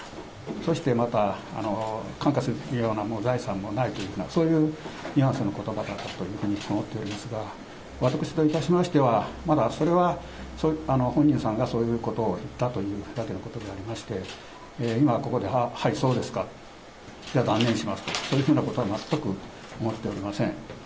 そしてまた、換価するような財産ももうない、そういうニュアンスのことばだったというふうに伺っておりますが、私といたしましては、まだそれは本人さんがそういうことを言ったというだけのことでありまして、今ここで、はい、そうですか、では断念しますというふうなことは全く思っておりません。